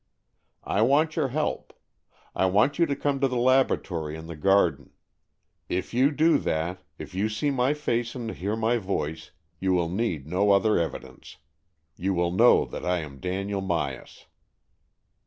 I want your help. I want you to come to the laboratory in the garden. If you do that — if you see my face and hear my voice — you will need no other evidence. You will know that I am Daniel Myas."